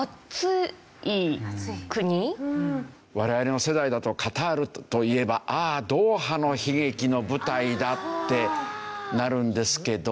我々の世代だとカタールといえばああドーハの悲劇の舞台だってなるんですけど。